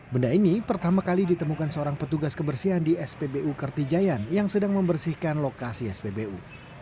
benda ini pertama kali ditemukan seorang petugas kebersihan di spbu kertijayan yang sedang membersihkan lokasi spbu